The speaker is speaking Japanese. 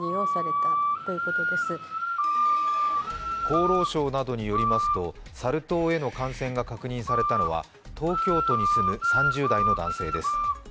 厚労省などによりますと、サル痘への感染が確認されたのは東京都に住む３０代の男性です。